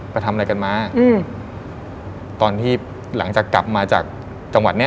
ไปทำอะไรกันมาอืมตอนที่หลังจากกลับมาจากจังหวัดเนี้ย